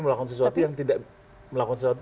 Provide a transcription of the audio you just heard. melakukan sesuatu yang tidak melakukan sesuatu